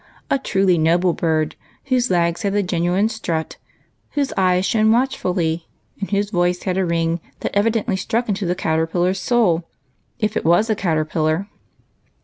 A truly noble bird, whose legs had the genuine strut, whose eyes shone watchfully, and whose voice had a ring that evidently struck ter ror into the caterpillar's soul, if it was a caterpillar.